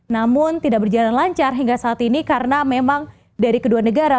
namun tidak berjalan lancar hingga saat ini karena memang dari kedua negara